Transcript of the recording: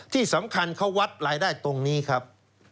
ที่สำคัญเขาวัดรายได้ตรงนี้ครับ